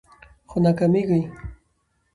خو ناکامیږي